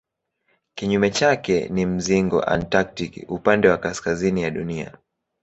Kinyume chake ni mzingo antaktiki upande wa kaskazini ya Dunia.